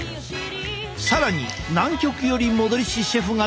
更に南極より戻りしシェフが大公開。